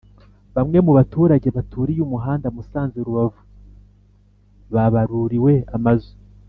Bamwe mu baturage baturiye umuhanda Musanze Rubavu babaruriwe amazu